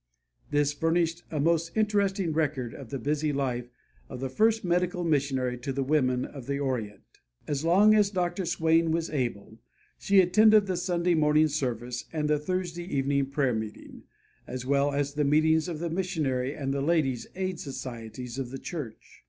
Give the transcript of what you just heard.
This furnished a most interesting record of the busy life of the first medical missionary to the women of the orient. As long as Dr. Swain was able, she attended the Sunday morning service and the Thursday evening prayer meeting, as well as the meetings of the missionary and the Ladies' Aid societies of the church.